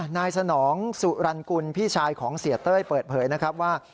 นายสนองสุรรณกุลพี่ชายของเสียเต้ยเปิดเผยนะครับว่า